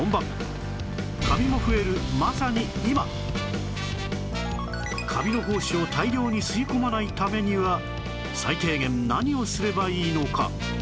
カビも増えるまさに今カビの胞子を大量に吸い込まないためには最低限何をすればいいのか？